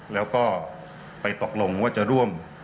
แล้วก็ไปตกลงว่าจะร่วม